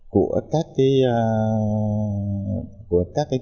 của các cái